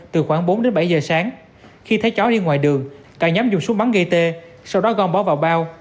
từ khoảng bốn đến bảy giờ sáng khi thấy chó đi ngoài đường cả nhóm dùng súng bắn gây tê sau đó gom bỏ vào bao